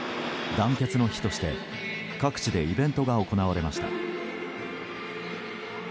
団結の日として各地でイベントが行われました。